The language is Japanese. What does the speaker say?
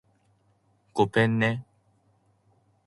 ごぺんね